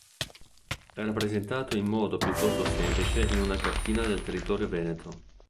È rappresentato in modo piuttosto semplice in una cartina del territorio veneto.